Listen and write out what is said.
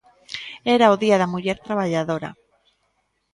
Era o Día da muller traballadora.